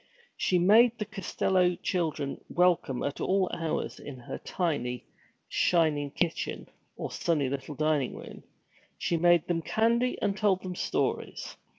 She made the Costello children welcome at all hours in her tiny, shining kitchen, or sunny little dining room. She made them candy and told them stories.